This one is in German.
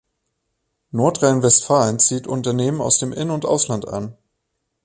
Nordrhein-Westfalen zieht Unternehmen aus dem In- und Ausland an.